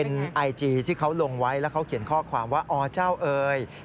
แต่เขาบอกเฉยพยายามไล่ต่อให้ครบทุกคนเดี๋ยวจะให้เขายิง